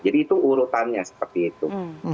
jadi itu urutannya seperti itu